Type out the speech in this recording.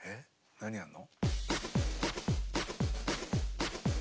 何やんの？